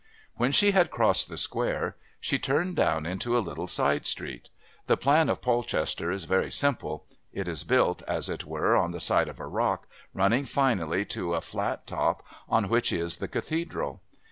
When she had crossed the Square she turned down into a little side street. The plan of Polchester is very simple. It is built, as it were, on the side of a rock, running finally to a flat top, on which is the Cathedral.